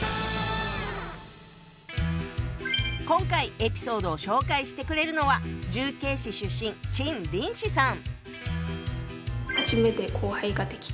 今回エピソードを紹介してくれるのは重慶市出身陳林子さん。